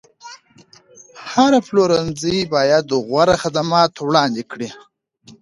هر پلورنځی باید غوره خدمات وړاندې کړي.